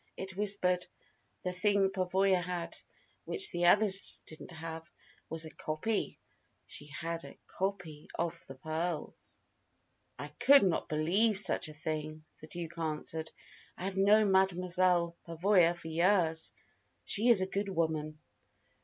It whispered: "The thing Pavoya had, which the other didn't have, was a copy. She had a copy of the pearls." "I could not believe such a thing," the Duke answered. "I have known Mademoiselle Pavoya for years. She is a good woman."